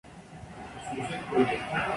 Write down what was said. Es la ex capital nacional.